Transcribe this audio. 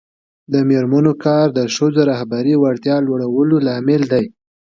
د میرمنو کار د ښځو رهبري وړتیا لوړولو لامل دی.